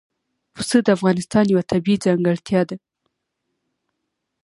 پسه د افغانستان یوه طبیعي ځانګړتیا ده.